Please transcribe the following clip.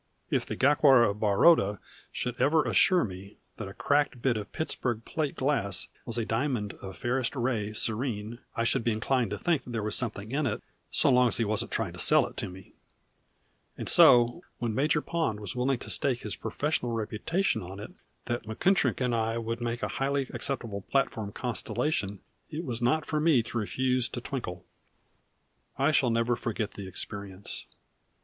If the Gaekwar of Baroda should ever assure me that a cracked bit of Pittsburg plate glass was a diamond of fairest ray serene, I should be inclined to think there was something in it so long as he wasn't trying to sell it to me, and so when Major Pond was willing to stake his professional reputation on it that Munkittrick and I would make a highly acceptable platform constellation it was not for me to refuse to twinkle. I shall never forget the experience.